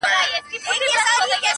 هنر هنر سوم زرګري کومه ښه کومه .